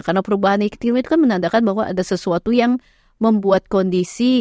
karena perubahan iklim itu kan menandakan bahwa ada sesuatu yang membuat kondisi